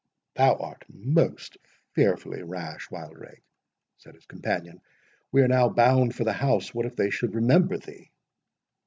"Thou art most fearfully rash, Wildrake," said his companion; "we are now bound for the house—what if they should remember thee?"